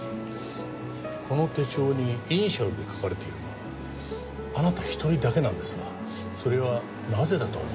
この手帳にイニシャルで書かれているのはあなた一人だけなんですがそれはなぜだと思われますか？